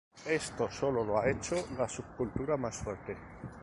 Esto sólo ha hecho la subcultura más fuerte".